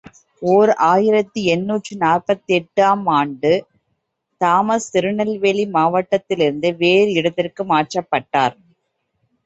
ஓர் ஆயிரத்து எண்ணூற்று நாற்பத்தெட்டு ஆம் ஆண்டு தாமஸ் திருநெல்வேலி மாவட்டத்திலிருந்து வேறு இடத்திற்கு மாற்றப்பட்டார்.